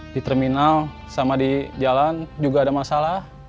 di terminal sama di jalan juga ada masalah